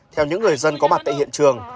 theo những người dân có mặt tại hiện trường